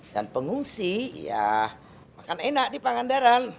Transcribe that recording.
dan pengungsi ya makan enak di pangandaran